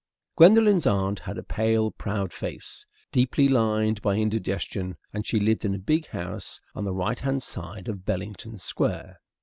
Gwendolen's aunt had a pale, proud face, deeply lined by indigestion, and she lived in a big house on the right hand side of Bellington Square.